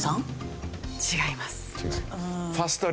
違います。